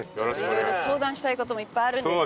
色々相談したい事もいっぱいあるんです私。